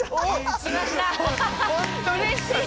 うれしい。